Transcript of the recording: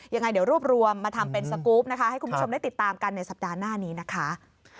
ยังไงเดี๋ยวรวบรวมมาทำเป็นสกรูปนะคะให้คุณผู้ชมได้ติดตามกันในสัปดาห์หน้านี้นะคะ